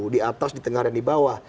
di atas di tengah dan di bawah